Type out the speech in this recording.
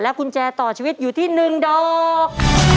กุญแจต่อชีวิตอยู่ที่๑ดอก